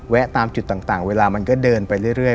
ตามจุดต่างเวลามันก็เดินไปเรื่อย